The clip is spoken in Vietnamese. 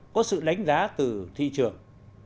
có sự đánh giá từ thị trường